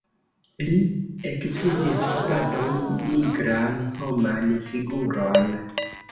Li ekvidis kvazaŭ nigran homan figuron.